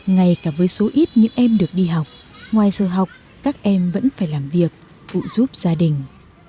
ngay cả với số ít những em được đi học ngoài giờ học các em vẫn phải làm việc phụ giúp gia đình